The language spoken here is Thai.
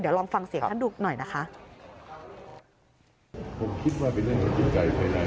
เดี๋ยวลองฟังเสียงท่านดูหน่อยนะคะ